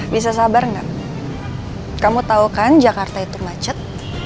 bisa sabar enggak kamu tahu kan jakarta itu macet